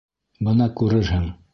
Бына күрерһең.